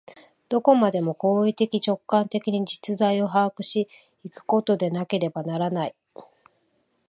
どこまでも行為的直観的に実在を把握し行くことでなければならない。